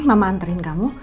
mama anterin kamu